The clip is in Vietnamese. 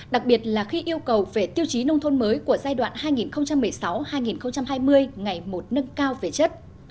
đặc biệt là khi yêu cầu về tiêu chí nông thôn mới của giai đoạn hai nghìn một mươi sáu hai nghìn hai mươi ngày một nâng cao về chất